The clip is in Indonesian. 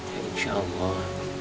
ya insya allah